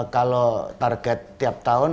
kalau target tiap tahun